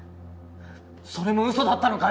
それもうそだったのかよ